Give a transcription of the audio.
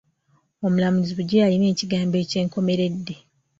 Omulamuzi bulijjo y'alina ekigambo eky'enkomeredde.